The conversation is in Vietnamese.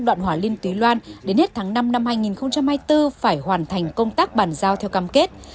đoạn hòa linh tuy loan đến hết tháng năm năm hai nghìn hai mươi bốn phải hoàn thành công tác bàn giao theo cam kết